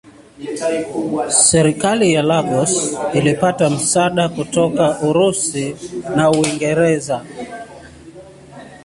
Serikali ya Lagos ilipata msaada kutoka Urusi na Uingereza.